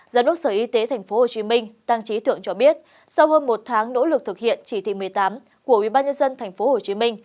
giám đốc sở y tế tp hcm tăng trí thượng cho biết sau hơn một tháng nỗ lực thực hiện chỉ thị một mươi tám của ubnd tp hcm